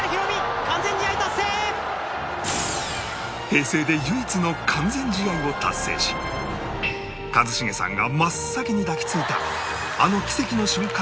平成で唯一の完全試合を達成し一茂さんが真っ先に抱きついたあの奇跡の瞬間の主人公